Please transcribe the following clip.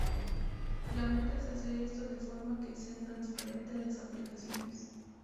La meta es hacer esto de forma que sea transparente a las aplicaciones.